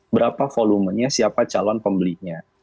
berapa volumenya siapa calon pembelinya